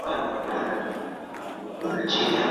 شریعت د مرتد په اړه حکم لري.